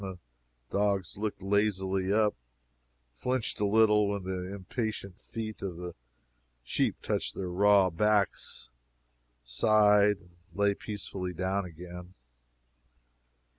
The dogs looked lazily up, flinched a little when the impatient feet of the sheep touched their raw backs sighed, and lay peacefully down again.